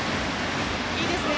いいですね。